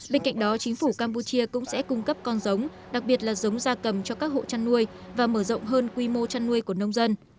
bên cạnh đó chính phủ campuchia cũng sẽ cung cấp con giống đặc biệt là giống gia cầm cho các hộ chăn nuôi và mở rộng hơn quy mô chăn nuôi của nông dân